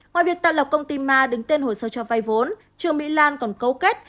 ngoài việc tạo lập công ty ma đứng tên hồ sơ cho vay vốn trương mỹ lan còn cấu kết